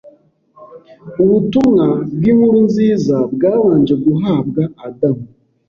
Ubutumwa bw’inkuru nziza bwabanje guhabwa Adamu